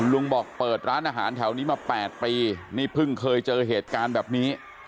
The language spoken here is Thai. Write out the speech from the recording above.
ลุงบอกเปิดร้านอาหารแถวนี้มา๘ปีนี่เพิ่งเคยเจอเหตุการณ์แบบนี้